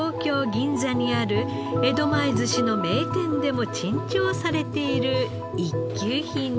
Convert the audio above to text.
銀座にある江戸前寿司の名店でも珍重されている一級品です。